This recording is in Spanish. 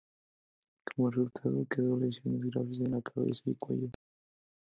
Como resultado, quedó con lesiones graves en la cabeza y cuello.